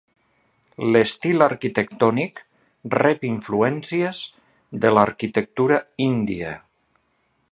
L'estil arquitectònic rep influències de l'arquitectura índia.